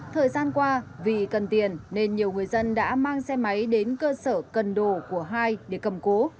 thời gian qua vì cần tiền nên nhiều người dân đã mang xe máy đến cơ sở cần đồ của hai để cầm cố